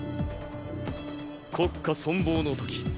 国家存亡の刻。